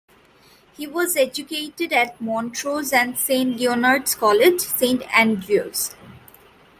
He was educated at Montrose and Saint Leonard's College, Saint Andrews.